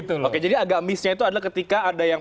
betul oke jadi agak missnya itu adalah ketika ada yang